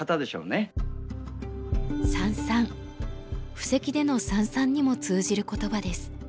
布石での「三々」にも通じる言葉です。